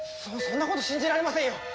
そそんなこと信じられませんよ。